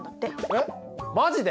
えっマジで？